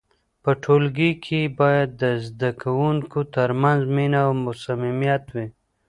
په ټولګي کې باید د زده کوونکو ترمنځ مینه او صمیمیت وي.